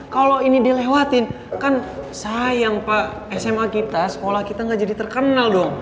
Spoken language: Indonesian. kalau ini dilewatin kan sayang pak sma kita sekolah kita gak jadi terkenal dong